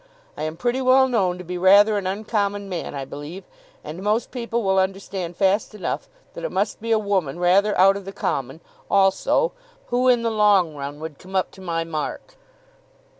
I am pretty well known to be rather an uncommon man, I believe; and most people will understand fast enough that it must be a woman rather out of the common, also, who, in the long run, would come up to my mark.